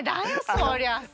そりゃさ。